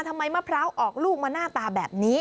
มะพร้าวออกลูกมาหน้าตาแบบนี้